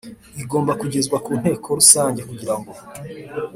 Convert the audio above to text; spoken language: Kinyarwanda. igomba kugezwa ku Inteko Rusange kugira